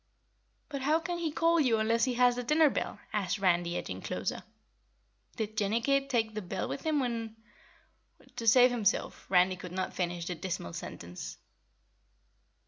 "But how can he call you unless he has the dinner bell?" asked Randy, edging closer. "Did Jinnicky take the bell with him when when " To save himself, Randy could not finish the dismal sentence.